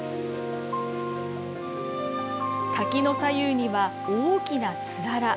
滝の左右には、大きなつらら。